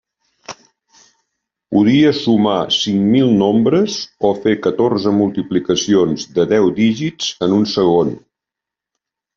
Podia sumar cinc mil nombres o fer catorze multiplicacions de deu dígits en un segon.